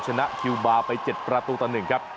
จากนั้นคิวบาไป๗ประตูตะหนึ่งครับ